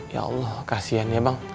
ya allah kasihan ya bang